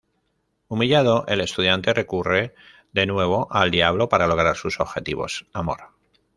Humillado, el Estudiante recurre de nuevo al Diablo para lograr sus objetivos amor